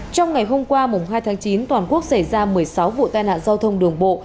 trong ngày hôm qua hai tháng chín toàn quốc xảy ra một mươi sáu vụ tai nạn giao thông đường bộ